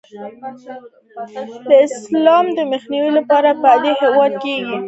د اسلام د مخنیوي لپاره پدې هیواد کې